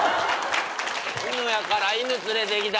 犬やから犬連れてきた。